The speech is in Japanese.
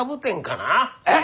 えっ！？